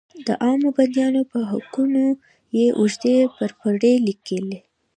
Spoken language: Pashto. د عامو بندیانو په حقوقو یې اوږدې پرپړې لیکلې.